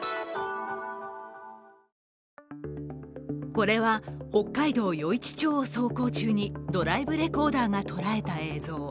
これは、北海道余市町を走行中にドライブレコーダーが捉えた映像。